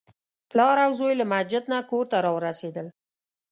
پلار او زوی له مسجد نه کور ته راورسېدل.